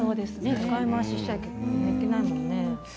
使い回ししちゃいけないもんね。